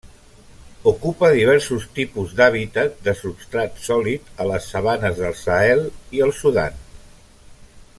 Ocupa diversos tipus d'hàbitat de substrat sòlid a les sabanes del Sahel i el Sudan.